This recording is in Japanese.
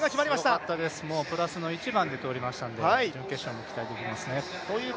強かったです、プラスの一番で通りましたので準決勝も期待できますね。